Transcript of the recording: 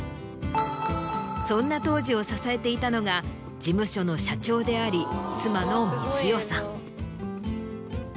そんな当時を支えていたのが事務所の社長であり。